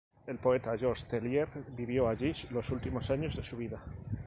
El poeta Jorge Teillier vivió allí los últimos años de su vida.